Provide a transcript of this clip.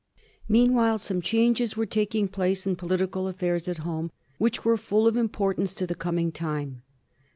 Meanwhile some changes were taking place in politi cal affairs at home which were fall of importance to the coming time.